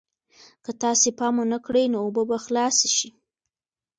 که تاسې پام ونه کړئ نو اوبه به خلاصې شي.